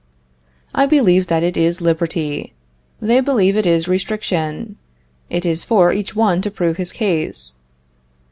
I believe that it is liberty; they believe it is restriction; it is for each one to prove his case.